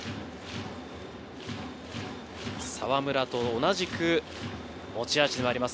澤村と同じく持ち味があります